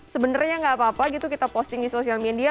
sebenarnya nggak apa apa gitu kita posting di sosial media